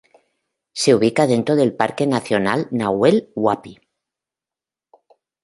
Se ubica dentro del Parque Nacional Nahuel Huapi.